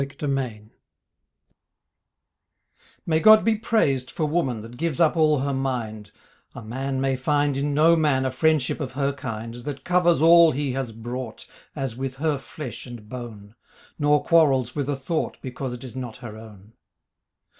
ON WOMAN May God be praised for woman That gives up all her mind, A man may find in no man A friendship of her kind That covers all he has brought As with her flesh and bone, Nor quarrels with a thought Because it is not her own.